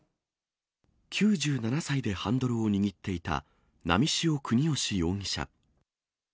９７歳でハンドルを握っていた波汐國芳容疑者。